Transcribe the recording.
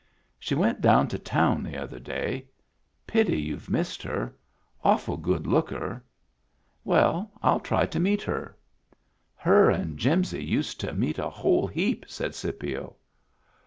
" She went down to town the other day. Pity you've missed her. Awful good looker." " Well, I'll try to meet her." " Her and Jimsy used to meet a whole heap," said Scipio.